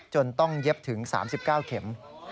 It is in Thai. จนต้องเย็บถึง๓๙เข็ม